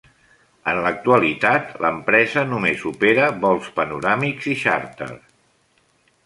En l'actualitat, l'empresa només opera vols panoràmics i xàrter.